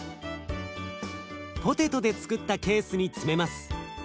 ポテトでつくったケースに詰めます。